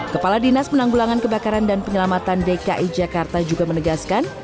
kepala dinas penanggulangan kebakaran dan penyelamatan dki jakarta juga menegaskan